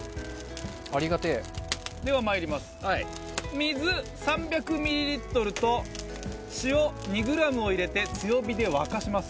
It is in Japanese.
水、３００ｍｌと塩、２ｇを入れて強火で沸かします。